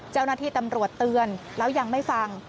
เจ้าหน้าที่ตำรวจเตือนแล้วยังไม่ฟัง